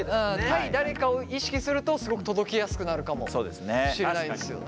対誰かを意識するとすごく届きやすくなるかもしれないですよね。